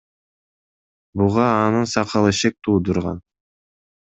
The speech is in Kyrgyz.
Буга анын сакалы шек туудурган.